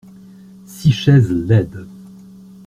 Six chaises laides.